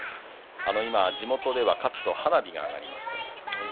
地元では勝つと花火が上がりますと。